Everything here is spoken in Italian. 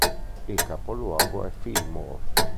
Il capoluogo è Fillmore.